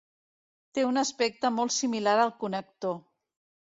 Té un aspecte molt similar al connector.